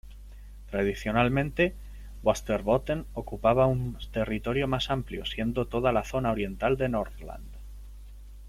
Tradicionalmente Västerbotten ocupaba un territorio más amplio, siendo toda la zona oriental de Norrland.